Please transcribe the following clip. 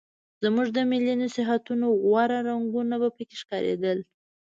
زموږ د ملي نصیحتونو غوره رنګونه به پکې ښکارېدل.